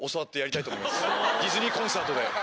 ディズニーコンサートで。